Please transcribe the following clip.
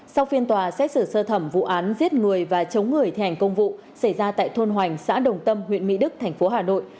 sau phiên tòa xét xử sơ thẩm vụ án giết người và chống người thi hành công vụ xảy ra tại thôn hoành xã đồng tâm huyện mỹ đức thành phố hà nội